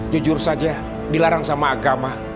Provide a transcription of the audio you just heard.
jujur saja dilarang sama agama